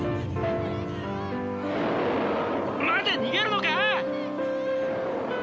待て逃げるのか？